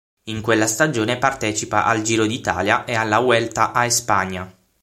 In quella stagione partecipa al Giro d'Italia e alla Vuelta a España.